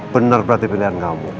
bener berarti pilihan kamu